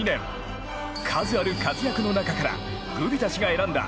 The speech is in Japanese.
数ある活躍の中からグビザ氏が選んだ